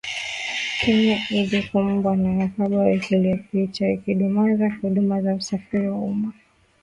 Kenya ilikumbwa na uhaba wiki iliyopita, ikidumaza huduma za usafiri wa umma.